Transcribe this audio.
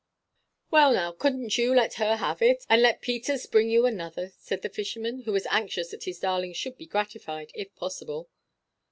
"Well now, couldn't you let her have it, and let Peters bring you another?" said the fisherman, who was anxious that his darling should be gratified if possible.